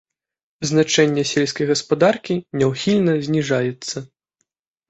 Значэнне сельскай гаспадаркі няўхільна зніжаецца.